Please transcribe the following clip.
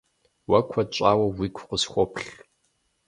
Уэ куэд щӏауэ уигу къысхуоплъ.